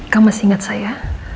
kamu masih ingat saya